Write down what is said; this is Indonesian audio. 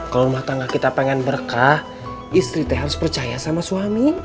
kalau rumah tangga kita pengen berkah istri teh harus percaya sama suami